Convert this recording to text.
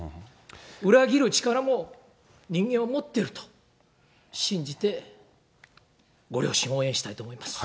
裏切る力も人間は持ってると信じてご両親を応援したいと思います。